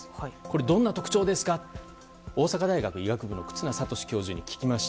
どんな特徴ですかと大阪大学医学部の忽那賢志教授に聞きました。